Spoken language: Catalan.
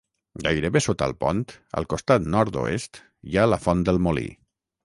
Gairebé sota el pont, al costat nord-oest, hi ha la Font del Molí.